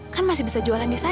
kan masih bisa jualan di sana